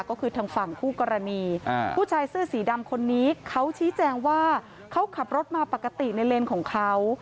ก็คือทางฝั่งคู่กรณีผู้ชายเสื้อสีดำคนนี้เขาชี้แจงว่าเขาขับรถมาปกติในเลนของเขา